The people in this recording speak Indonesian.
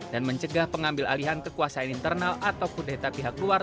dan mencegah pengambil alihan kekuasaan internal atau kudeta pihak luar